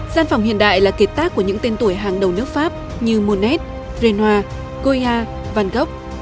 gian phòng hiện đại là kết tác của những tên tuổi hàng đầu nước pháp như monet renoir goya van gogh